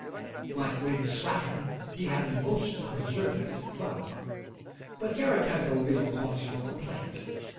Like Lady Slattern, he had a "most observant thumb." But Garrick had no real cause for complaint.